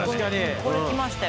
これきましたよ。